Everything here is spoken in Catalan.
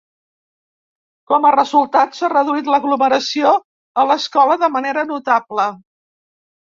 Com a resultat, s'ha reduït l'aglomeració a l'escola de manera notable.